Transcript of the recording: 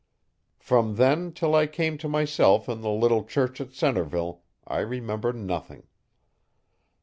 From then till I came to myself in the little church at Centreville I remember nothing.